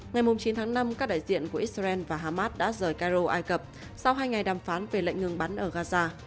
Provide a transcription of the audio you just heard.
ngày chín tháng năm các đại diện của israel và hamas đã rời cairo ai cập sau hai ngày đàm phán về lệnh ngừng bắn ở gaza